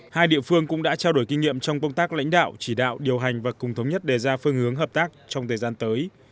hai địa phương cũng đã trao đổi kinh nghiệm trong công tác lãnh đạo chỉ đạo điều hành và cùng thống nhất đề ra phương hướng hợp tác trong thời gian tới